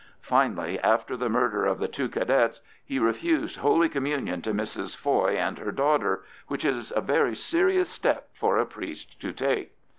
Finally, after the murder of the two Cadets, he refused Holy Communion to Mrs Foy and her daughter, which is a very serious step for a priest to take.